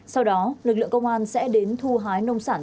sau đó lực lượng công an sẽ đến thu hái nông sản